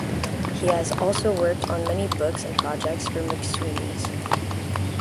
He has also worked on many books and projects for McSweeney's.